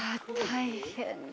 大変だ。